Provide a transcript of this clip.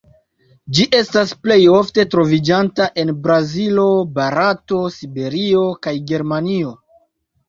Ĝi estas plej ofte troviĝanta en Brazilo, Barato, Siberio, kaj Germanio.